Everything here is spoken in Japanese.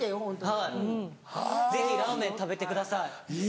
はいぜひラーメン食べてください。